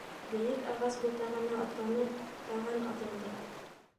Бейек ағас ботағына атланып, таған атындыҡ.